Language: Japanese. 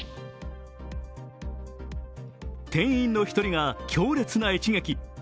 店員の１人が強烈な一撃。